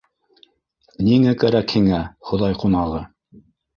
Ни кәрәк һиңә, хоҙай ҡунағы?